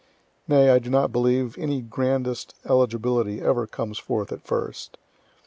Nay, I do not believe any grandest eligibility ever comes forth at first.